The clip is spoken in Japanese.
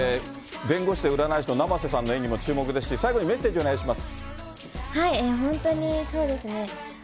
弁護士で占い師の生瀬さんの演技も注目ですし、最後にメッセージお願いします。